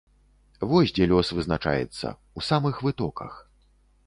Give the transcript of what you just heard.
Вось дзе лёс вызначаецца, у самых вытоках.